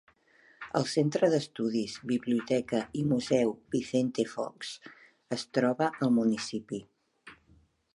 El Centre d'Estudis, Biblioteca i Museu Vicente Fox es troba al municipi.